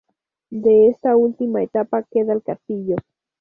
De esta última etapa queda el castillo.